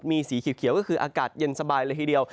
มีสีเขียวก็คืออากาศเย็นสบายเลยทีเดียว